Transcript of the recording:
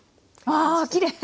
わきれい！